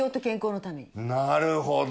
なるほど。